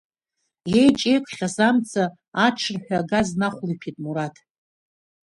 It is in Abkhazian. Иеиҿеикхьаз амца аҽырҳәа агаз нахәлеиҭәеит Мураҭ.